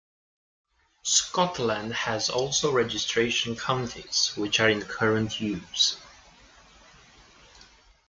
Scotland has also registration counties, which are in current use.